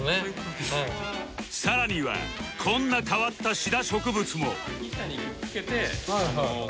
さらにはこんな変わったシダ植物も